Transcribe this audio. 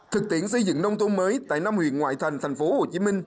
thực tiễn xây dựng nông thuận mới tại năm huyện ngoại thành thành phố hồ chí minh